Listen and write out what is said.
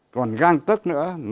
còn gan tất nữa là sông